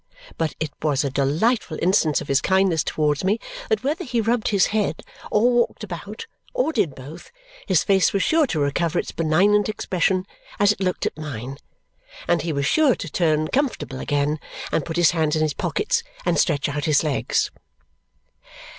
But it was a delightful instance of his kindness towards me that whether he rubbed his head, or walked about, or did both, his face was sure to recover its benignant expression as it looked at mine; and he was sure to turn comfortable again and put his hands in his pockets and stretch out his legs.